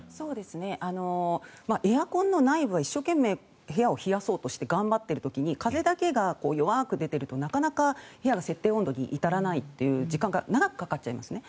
エアコンの内部は一生懸命部屋を冷やそうとして頑張っている時に風だけが弱く出ているとなかなか部屋が設定温度に至らないという時間が長くかかっちゃいますね。